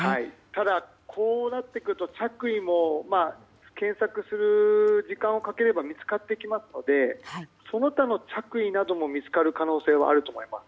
ただ、こうなってくると着衣も検索する時間をかければ見つかってきますのでその他の着衣なども見つかる可能性はあると思います。